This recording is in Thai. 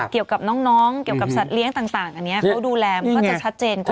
เกี่ยวกับน้องเกี่ยวกับสัตว์เลี้ยงต่างอันนี้เขาดูแลมันก็จะชัดเจนกว่า